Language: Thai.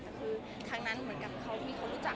แต่คือทางนั้นเหมือนกับเขามีคนรู้จัก